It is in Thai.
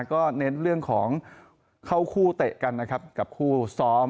ก็เน้นเรื่องของเข้าคู่เตะกันนะครับกับคู่ซ้อม